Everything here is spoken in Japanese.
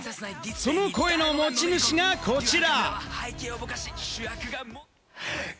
その声の持ち主がこちら。